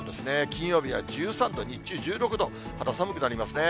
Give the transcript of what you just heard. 金曜日は１３度、日中１６度、肌寒くなりますね。